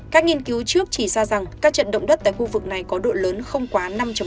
các nghiên cứu trước chỉ ra rằng các trận động đất tại khu vực này có độ lớn không quá năm